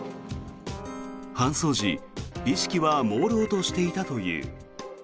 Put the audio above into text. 搬送時、意識はもうろうとしていたという。